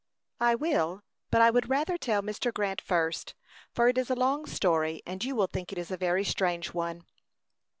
"I will, but I would rather tell Mr. Grant first, for it is a long story, and you will think it is a very strange one."